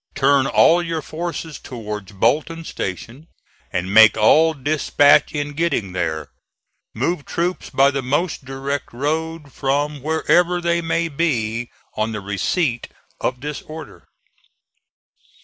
Turn all your forces towards Bolton station, and make all dispatch in getting there. Move troops by the most direct road from wherever they may be on the receipt of this order."